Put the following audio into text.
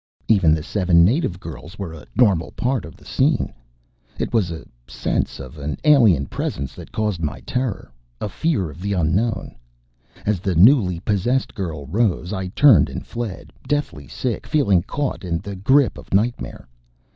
Even the seven native girls were a normal part of the scene. It was the sense of an alien presence that caused my terror a fear of the unknown.... As the newly "possessed" girl rose, I turned and fled, deathly sick, feeling caught in the grip of nightmare.